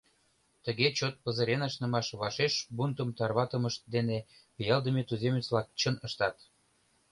— Тыге чот пызырен ашнымаш вашеш бунтым тарватымышт дене пиалдыме туземец-влак чын ыштат.